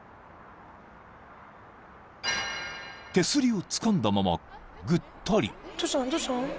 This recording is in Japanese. ［手すりをつかんだままぐったり］